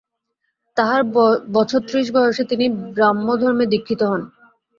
তাঁহার বছর-ত্রিশ বয়সে তিনি ব্রাহ্মধর্মে দীক্ষিত হন।